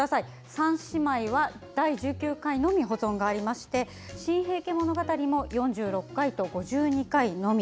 「三姉妹」は第１９回のみ保存がありまして「新・平家物語」も４６回と５２回のみ。